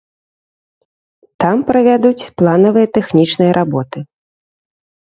Там правядуць планавыя тэхнічныя работы.